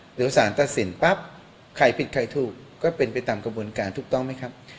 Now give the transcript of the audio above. เดี๋ยวสารตัดสินปั๊บใครผิดใครถูกก็เป็นไปตามกระบวนการถูกต้องไหมครับ